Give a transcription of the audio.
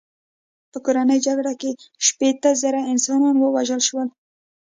په کورنۍ جګړه کې شپېته زره انسانان ووژل شول.